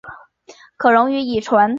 可溶于乙醇。